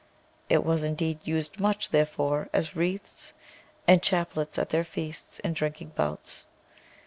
It was much used, therefore, as wreaths and chap lets at their fep«ts and drinking bouts.